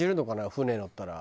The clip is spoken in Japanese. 船に乗ったら。